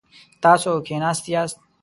تاسو کښیناستی یاست؟